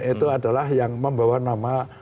itu adalah yang membawa nama